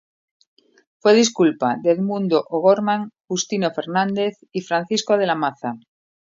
Fue discípula de Edmundo O'Gorman, Justino Fernández y Francisco de la Maza.